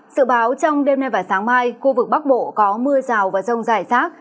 sự báo trong đêm nay và sáng mai khu vực bắc bộ có mưa rào và rông dài sát